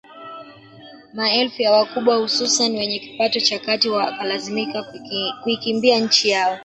Maelfu ya wacuba hususan wenye kipato cha kati wakalazimika kuikimbia nchi yao